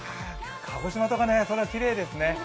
鹿児島とかの空、きれいですね。